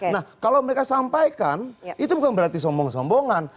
nah kalau mereka sampaikan itu bukan berarti sombong sombongan